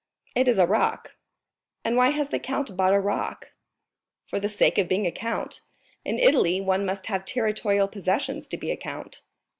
"It is a rock." "And why has the count bought a rock?" "For the sake of being a count. In Italy one must have territorial possessions to be a count."